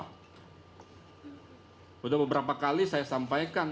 sudah beberapa kali saya sampaikan